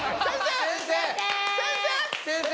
先生！